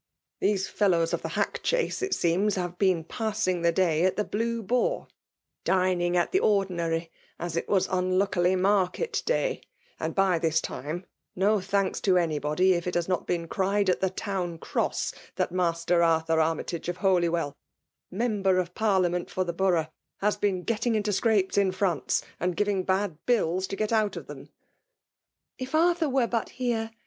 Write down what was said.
These felhiws «f tbe hack chaise, it seems, have been passing the day at the Blue Boar — dining at the oi^ nary, as it was unluckily market day ; and by tlas time, no tiianloB to anybody if it has not been cried at the town cross, that Master Arthur Armytage of Holywell, member of par liament for the borough, had been getting into scra])es in France, and giving bad bills to get out of them." •* If Arthur were but here!